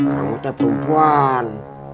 kamu tetap perempuan